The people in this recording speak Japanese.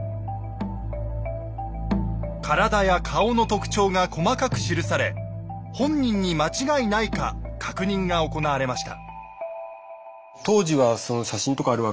体や顔の特徴が細かく記され本人に間違いないか確認が行われました。